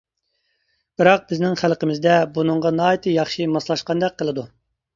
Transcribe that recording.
بىراق بىزنىڭ خەلقىمىزدە بۇنىڭغا ناھايىتى ياخشى ماسلاشقاندەك قىلىدۇ.